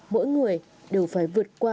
mỗi người đều phải vượt qua